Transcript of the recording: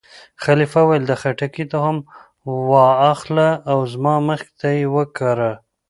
خلیفه وویل: د خټکي تخم وا اخله او زما مخکې یې وکره.